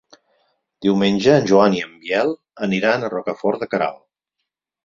Diumenge en Joan i en Biel aniran a Rocafort de Queralt.